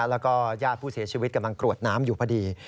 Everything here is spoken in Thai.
แล้วก็ญาติผู้เสียชีวิตกำลังกรวดน้ำอยู่พอดี